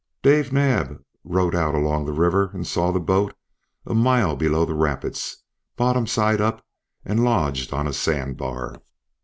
Dave Naab rode out along the river and saw the boat, a mile below the rapids, bottom side up and lodged on a sand bar.